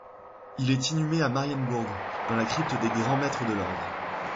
Il est inhumé à Marienbourg, dans la crypte des Grands Maîtres de l'Ordre.